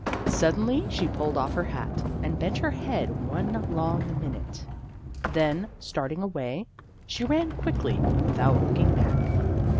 Suddenly she pulled off her hat, and bent her head one long minute. Then, starting away, she ran quickly without looking back.